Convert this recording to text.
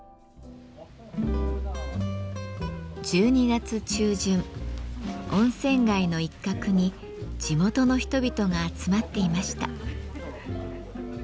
１２月中旬温泉街の一角に地元の人々が集まっていました。